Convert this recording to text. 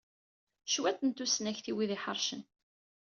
Cwiṭ n tusnakt, i wid iḥercen.